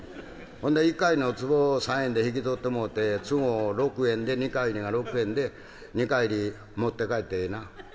「ほんで一荷入りのつぼを３円で引き取ってもうて都合６円で二荷入りが６円で二荷入り持って帰ってええな？」。